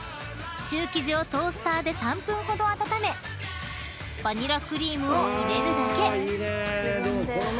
［シュー生地をトースターで３分ほど温めバニラクリームを入れるだけ］